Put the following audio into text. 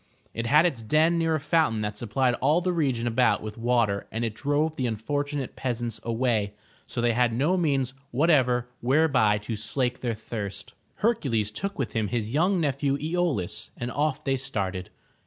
It had its den near a fountain that supplied all the region about with water and it drove the unfortunate peasants away, so they had no means whatever whereby to slake their thirst. Hercules took with him his young nephew Po laus, and off they started.